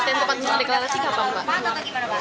pak saatnya tempatnya ada deklarasi nggak pak